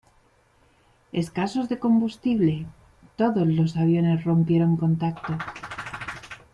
Escasos de combustible, todos los aviones rompieron contacto.